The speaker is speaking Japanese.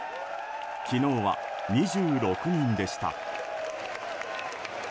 昨日は、２６人でした。